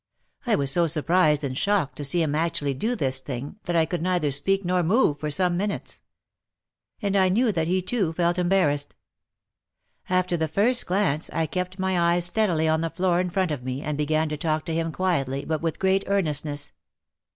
I was so surprised and shocked to see him actually do this thing that I could neither speak nor move for some minutes. And I knew that he too felt embarrassed. After the first glance I kept my eyes steadily on the floor in front of me and began to talk to him quietly but with great earnestness.